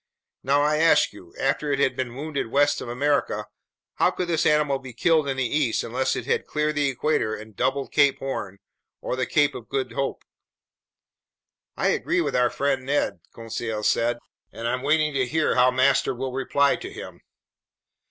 Now I ask you, after it had been wounded west of America, how could this animal be killed in the east, unless it had cleared the equator and doubled Cape Horn or the Cape of Good Hope?" "I agree with our friend Ned," Conseil said, "and I'm waiting to hear how master will reply to him."